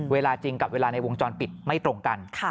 เวลาจริงกับเวลาในวงจรปิดไม่ตรงกัน